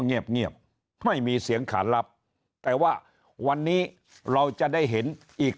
เงียบเงียบไม่มีเสียงขานลับแต่ว่าวันนี้เราจะได้เห็นอีก